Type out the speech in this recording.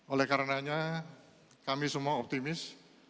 oleh karenanya kami semua optimis